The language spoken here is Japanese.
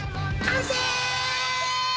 完成！